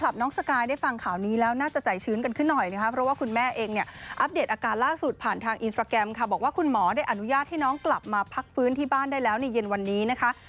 บอกว่าคุณหมอได้อนุญาตให้น้องกลับมาพักฟื้นที่บ้านได้แล้วในเย็นวันนี้นะคะ